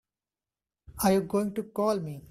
Are you going to call me?